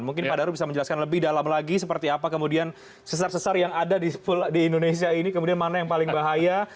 mungkin pak daru bisa menjelaskan lebih dalam lagi seperti apa kemudian sesar sesar yang ada di indonesia ini kemudian mana yang paling bahaya